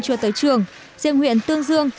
chưa tới trường riêng huyện tương dương